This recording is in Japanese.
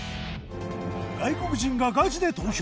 外国人がガチで投票！